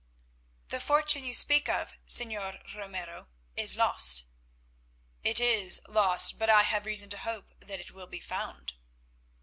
"The fortune you speak of, Señor Ramiro, is lost." "It is lost, but I have reason to hope that it will be found."